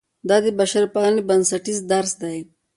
دا د بشرپالنې بنسټیز درس دی.